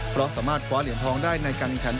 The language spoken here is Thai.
เพราะสามารถคว้าเหรียญทองได้ในการแข่งขัน